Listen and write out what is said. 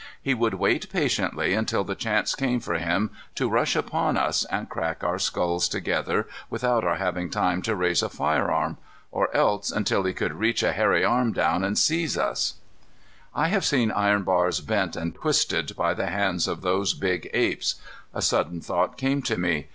He would wait patiently until the chance came for him to rush upon us and crack our skulls together without our having time to raise a firearm, or else, until he could reach a hairy arm down and seize us I have seen iron bars bent and twisted by the hands of those big apes. A sudden thought came to me.